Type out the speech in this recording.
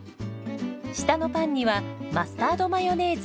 下のパンにはマスタードマヨネーズ。